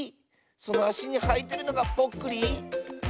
そのあしにはいてるのがぽっくり？